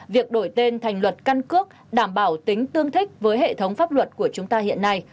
việc đổi tên thành luật căn cước đảm bảo tính tương thích với hệ thống pháp luật của chúng ta hiện nay